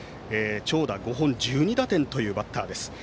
長打５本、１２打点というバッターです。